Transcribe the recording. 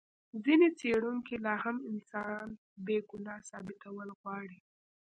ځینې څېړونکي لا هم انسان بې ګناه ثابتول غواړي.